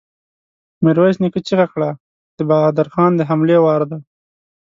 ميرويس نيکه چيغه کړه! د بهادر خان د حملې وار دی!